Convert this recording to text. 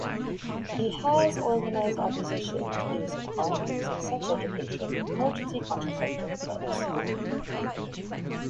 He has organized opposition to the use of condoms, sex education, emergency contraceptive pills.